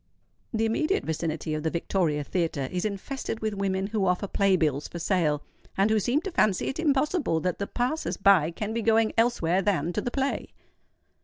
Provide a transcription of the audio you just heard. The immediate vicinity of the Victoria Theatre is infested with women who offer play bills for sale, and who seem to fancy it impossible that the passers by can be going elsewhere than to the play.